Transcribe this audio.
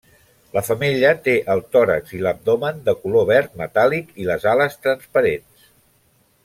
La femella té el tòrax i l’abdomen de color verd metàl·lic i les ales transparents.